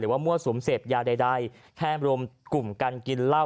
หรือว่ามั่วสวมเสพยาได้แค่รวมกลุ่มกันกินเหล้า